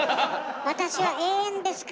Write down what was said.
私は永遠ですから。